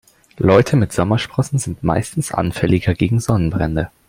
Leute mit Sommersprossen sind meistens anfälliger gegen Sonnenbrände.